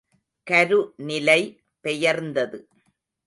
கரு நிலை பெயர்ந்தது.